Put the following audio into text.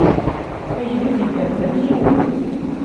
Agdud yekker-d am yiwen.